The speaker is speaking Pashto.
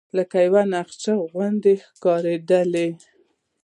لکه یوه نقاشي غوندې ښکاره کېدل.